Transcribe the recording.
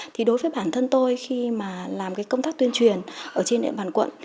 thì đối với bản thân tôi khi mà làm cái công tác tuyên truyền ở trên địa bàn quận